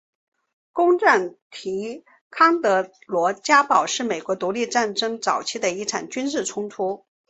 攻占提康德罗加堡是美国独立战争早期的一场军事冲突。